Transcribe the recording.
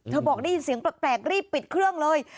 บอกได้ยินเสียงแปลกรีบปิดเครื่องเลย